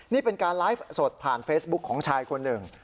นี่เป็นการไลฟ์สดผ่านเฟซบุ๊คของชายคนหนึ่ง